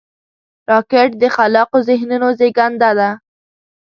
راکټ د خلاقو ذهنونو زیږنده ده